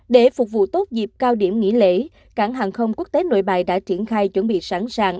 để phục vụ tốt dịp cao điểm nghỉ lễ cảng hàng không quốc tế nội bài đã triển khai chuẩn bị sẵn sàng